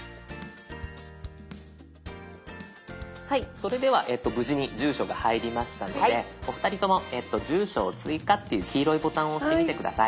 それでは無事に住所が入りましたのでお二人とも「住所を追加」っていう黄色いボタンを押してみて下さい。